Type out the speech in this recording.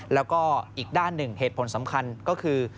แล้วก็อีกด้านหนึ่งเหตุผลสำคัญก็คือ